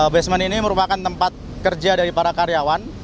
basement ini merupakan tempat kerja dari para karyawan